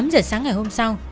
tám giờ sáng ngày hôm sau